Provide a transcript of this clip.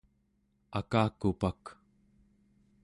akakupak